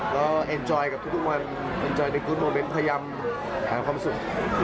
แล้วเอ็นจอยกับทุกวันเอ็นจอยที่คุณโมเน้นพยายามหาความสุข